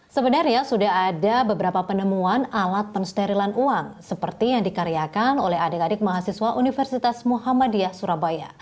sebenarnya sudah ada beberapa penemuan alat pensterilan uang seperti yang dikaryakan oleh adik adik mahasiswa universitas muhammadiyah surabaya